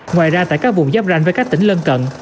ngoài ra tại các vùng giáp ranh với các tỉnh lân cận